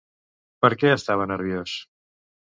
Per què estava nerviós?